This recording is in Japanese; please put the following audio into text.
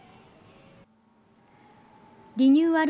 リニューアル